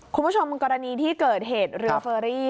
คุณผู้ชมกรณีที่เกิดเหตุเรือเฟอรี่